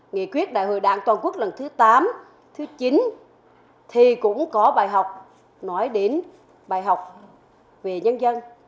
nghị quyết đại hội đảng toàn quốc lần thứ tám thứ chín thì cũng có bài học nói đến bài học về nhân dân